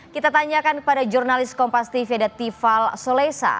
kita tanyakan kepada jurnalis kompas tv ada tifal sulesa